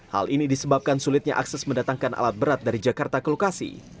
hal ini disebabkan sulitnya akses mendatangkan alat berat dari jakarta ke lokasi